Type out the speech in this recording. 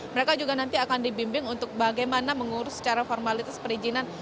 mereka juga nanti akan dibimbing untuk bagaimana mengurus secara formalitas perizinan